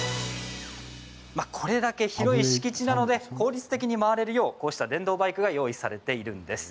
これだけ広い敷地なので効率的に回れるようこうした電動バイクが用意されているんです。